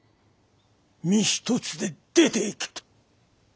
「身一つで出て行け」と。